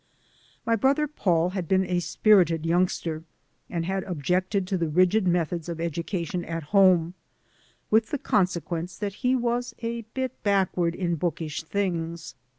My brother Paul had been a spirited youngster and had objected to the rigid methods of education at home, with the consequence that he was a bit backward in bookish things.